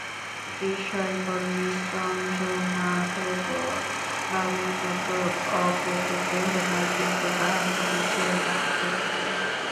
বিষয়কর্মে চন্দ্রমাধববাবুর মতো অপটু কেহ নাই কিন্তু তাঁহার মনের খেয়াল বাণিজ্যের দিকে।